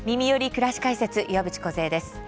くらし解説」岩渕梢です。